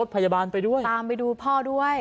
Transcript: ตามไปดูพ่อด้วย